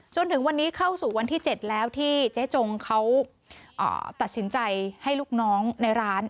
จนถึงวันนี้เข้าสู่วันที่๗แล้วที่เจ๊จงเขาตัดสินใจให้ลูกน้องในร้าน